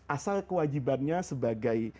asal kewajibannya sebagai